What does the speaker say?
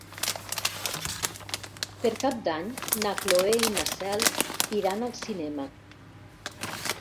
Per Cap d'Any na Cloè i na Cel iran al cinema.